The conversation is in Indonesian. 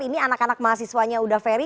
ini anak anak mahasiswanya udaferi